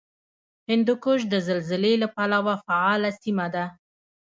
هندوکش د زلزلې له پلوه فعاله سیمه ده